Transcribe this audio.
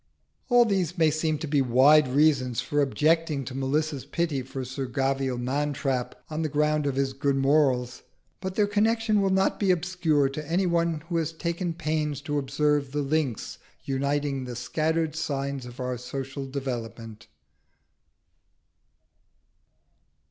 All these may seem to be wide reasons for objecting to Melissa's pity for Sir Gavial Mantrap on the ground of his good morals; but their connection will not be obscure to any one who has taken pains to observe the links uniting the scattered signs of our social development.